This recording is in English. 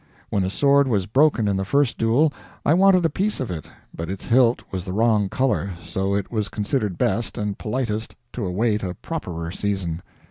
When a sword was broken in the first duel, I wanted a piece of it; but its hilt was the wrong color, so it was considered best and politest to await a properer season.